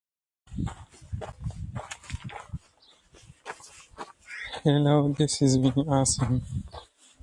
Both species build cone shaped nests and lay a single egg.